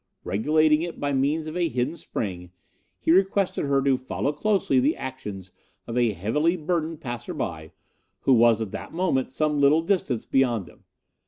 Regulating it by means of a hidden spring, he requested her to follow closely the actions of a heavily burdened passerby who was at that moment some little distance beyond them.